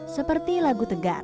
seperti lagu tegar